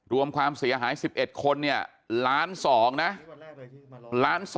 รวมความเสียหาย๑๑คนเนี่ย๑๒๐๐๐๐๐นะ๑๒๙๐๐๐๐